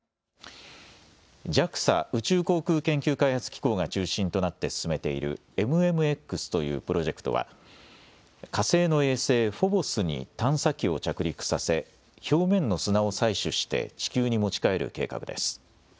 ＪＡＸＡ・宇宙航空研究開発機構が中心となって進めているＭＭＸというプロジェクトは火星の衛星フォボスに探査機を着陸させ、表面の砂を採取して地球に持ち帰る計画です。